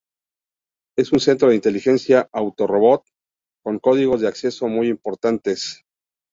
Es un centro de inteligencia Autobot, con códigos de acceso muy importantes.